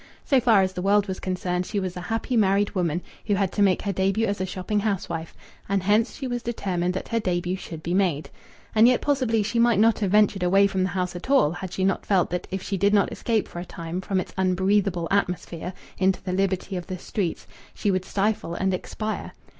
So far as the world was concerned, she was a happy married woman, who had to make her debut as a shopping housewife, and hence she was determined that her debut should be made.... And yet, possibly she might not have ventured away from the house at all, had she not felt that if she did not escape for a time from its unbreathable atmosphere into the liberty of the streets, she would stifle and expire.